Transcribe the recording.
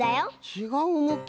ちがうむき？